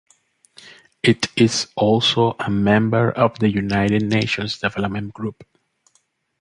It is also a member of the United Nations Development Group.